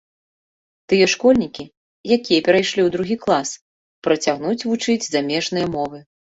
Тыя школьнікі, якія перайшлі ў другі клас, працягнуць вучыць замежныя мовы.